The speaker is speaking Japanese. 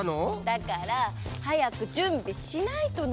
だからはやくじゅんびしないとなの。